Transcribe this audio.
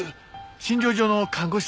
診療所の看護師さん。